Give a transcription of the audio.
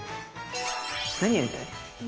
何やりたい？